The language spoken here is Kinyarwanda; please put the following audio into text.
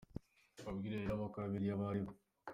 Mbabwire rero abakora biriya abo aribo.